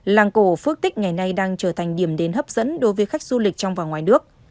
làng cổ phước tích ngày nay đang trở thành điểm đến hấp dẫn đối với khách du lịch trong và ngoài nước